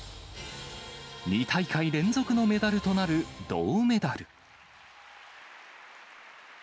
２大会連続のメダルとなる銅メダル。